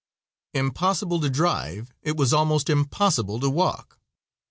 Impossible to drive; it was almost impossible to walk.